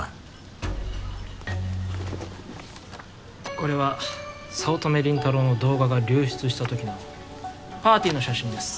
これは早乙女倫太郎の動画が流出した時のパーティーの写真です。